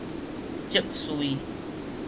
積穗